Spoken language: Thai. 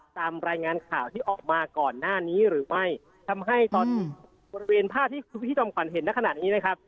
ตามรายงานข่าวที่ออกมาก่อนหน้านี้หรือไม่ทำให้ตอนบริเวณภาพที่คุณพี่จอมขวัญเห็นในขณะนี้นะครับ